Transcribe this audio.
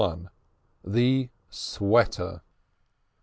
THE SWEATER.